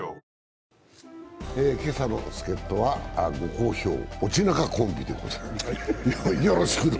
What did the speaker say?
今朝の助っとはご好評、オチナカコンビでございます。